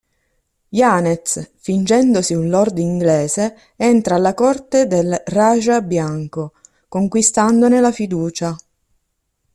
Yanez, fingendosi un Lord inglese, entra alla corte del Rajah bianco, conquistandone la fiducia.